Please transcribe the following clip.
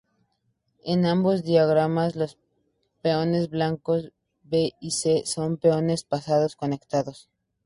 En ambos diagramas, los peones blancos b y c son peones pasados conectados.